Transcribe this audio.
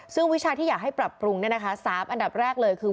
ซึ่งวิชาที่อยากให้ปรับปรุง๓อันดับแรกเลยคือ